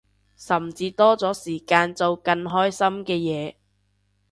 甚至多咗時間做更開心嘅嘢